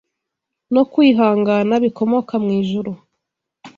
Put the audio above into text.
no kwihangana bikomoka mu ijuru